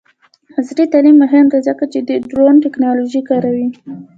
عصري تعلیم مهم دی ځکه چې د ډرون ټیکنالوژي کاروي.